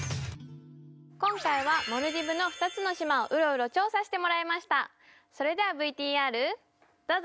今回はモルディブの２つの島をウロウロ調査してもらいましたそれではＶＴＲどうぞ！